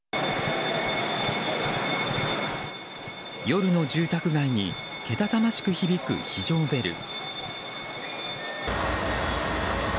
夜の住宅街にけたたましく響く非常ベル。